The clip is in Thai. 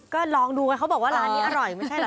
ก็ลองดูกันเขาบอกว่าร้านนี้อร่อยไม่ใช่เหรอ